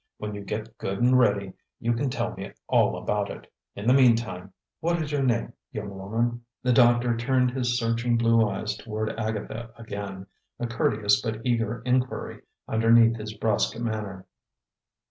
When you get good and ready, you can tell me all about it. In the meantime, what is your name, young woman?" The doctor turned his searching blue eyes toward Agatha again, a courteous but eager inquiry underneath his brusque manner.